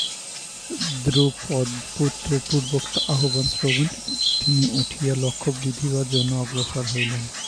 দ্রুপদপুত্রের পূর্বোক্ত আহ্বান-শ্রবণে তিনি উঠিয়া লক্ষ্য বিঁধিবার জন্য অগ্রসর হইলেন।